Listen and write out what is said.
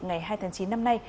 ngày hai tháng chín năm nay